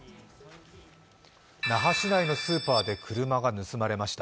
那覇市内のスーパーで車が盗まれました。